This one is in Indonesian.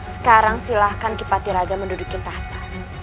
sekarang silahkan kipati raga mendudukin tahta